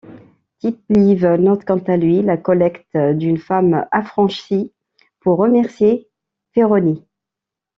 Tite-Live note quant à lui la collecte d'une femme affranchie pour remercier Féronie.